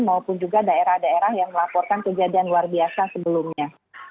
maupun juga daerah daerah yang melaporkan kejadian luar biasa sebelumnya